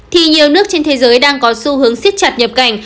thì nhiều nước trên thế giới đang có xu hướng siết chặt nhập cảnh